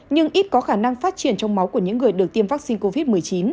nhưng ít có khả năng phát triển trong máu của những người được tiêm vaccine covid một mươi chín